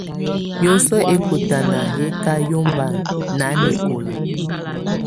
Yǝ́suǝ̀ ɛkɔ̀tana yɛ̀ kà yɔmba nanɛkɔla.